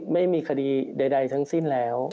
ไม่มีคดีใดทั้งสิ้นแล้ว